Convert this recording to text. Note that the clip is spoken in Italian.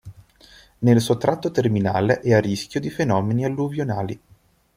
Nel suo tratto terminale è a rischio di fenomeni alluvionali.